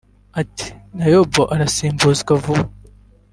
Ati “Naibo arasimbuzwa vuba